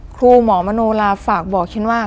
ครูหมอมโนลาฝากบอกฉันว่า